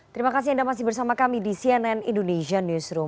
terima kasih anda masih bersama kami di cnn indonesia newsroom